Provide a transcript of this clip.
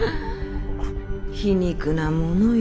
皮肉なものよ